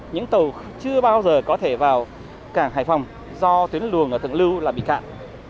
những tàu chưa bao giờ có thể vào cảng hải phòng do tuyến luồng ở thượng lưu là bị cạn